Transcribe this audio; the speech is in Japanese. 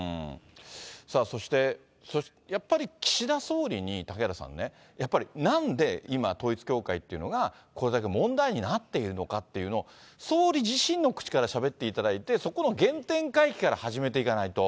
さあそして、やっぱり岸田総理に、嵩原さんね、やっぱり、なんで今、統一教会っていうのがこれだけ問題になっているのかっていうのを、総理自身の口からしゃべっていただいて、そこの原点回帰から始めていかないと。